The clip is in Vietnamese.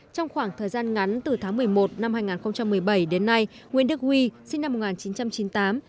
trong khoảng thời gian ngắn từ tháng một mươi một năm hai nghìn một mươi bảy đến nay nguyễn đức huy sinh năm một nghìn chín trăm chín mươi tám